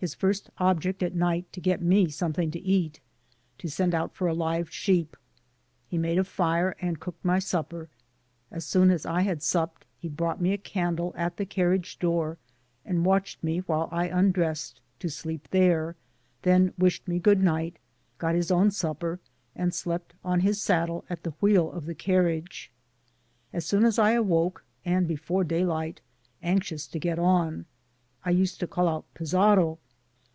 His first object at night to get me something to oat ■ t o send out for a live sheep— He made a fire and cooked my supper — as soon as I had supped, he brought me a candle at the carriage door, and watched me while I undrest to sleep there — then wished me good night, got his own supper, and slept on his saddle at the wheel of the carriage. As soon as I awoke, and, before daylight, anxious to get on, I used to call out Digitized byGoogk THE PAMPAS. 87 " Pizarro